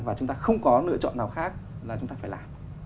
và chúng ta không có lựa chọn nào khác là chúng ta phải làm